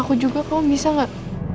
aku juga kamu bisa nggak